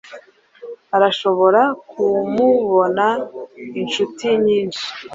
Arashobora kumubona inshuti nyinshi